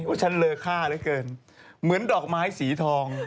ว่าฉันเลอค่าทั้งคื่อเหมือนดอกไม้สีทอง